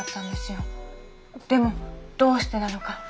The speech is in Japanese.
でもどうしてなのか？